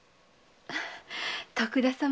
徳田様